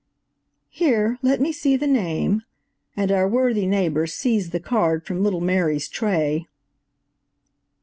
"Here, let me see the name," and our worthy neighbor seized the card from little Mary's tray.